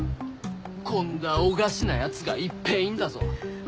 こんだおがしなやつがいっぺえいんだぞ？